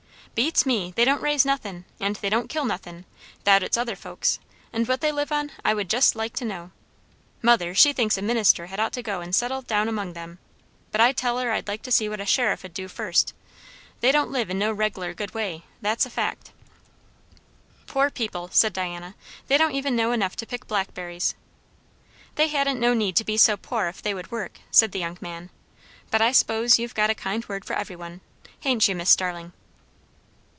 "Beats me! they don't raise nothin', and they don't kill nothin', 'thout it's other folks's; and what they live on I would jest like to know. Mother, she thinks a minister had ought to go and settle down among 'em; but I tell her I'd like to see what a sheriff 'd do fust. They don't live in no reg'lar good way, that's a fact." "Poor people!" said Diana. "They don't even know enough to pick blackberries." "They hadn't no need to be so poor ef they would work," said the young man. "But I s'pose you've got a kind word for every one, ha'n't you, Miss Starling?"